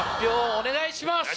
お願いします。